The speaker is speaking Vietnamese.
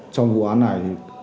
trong vụ án này